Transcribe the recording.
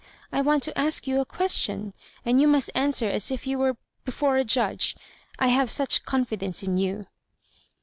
I want to ask you a question, and you must answer as if you were before a judge — I have such confi* dence in yau.